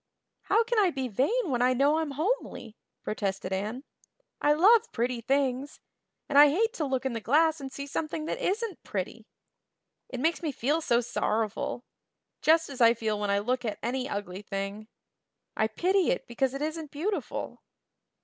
"How can I be vain when I know I'm homely?" protested Anne. "I love pretty things; and I hate to look in the glass and see something that isn't pretty. It makes me feel so sorrowful just as I feel when I look at any ugly thing. I pity it because it isn't beautiful."